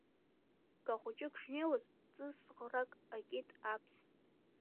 Бгахәыҷык шнеиуаз ҵысӷрак акит Аԥс.